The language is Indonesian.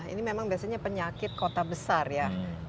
ini memang biasanya penyakit kota besar ya